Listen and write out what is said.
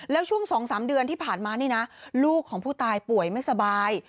แล้วช่วง๒๓เดือนที่ผ่านมานี่นะลูกของผู้ตายป่วยไม่สบาย